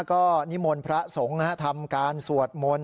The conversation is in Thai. ก็นิมนต์พระสงฆ์ทำการสวดมนต์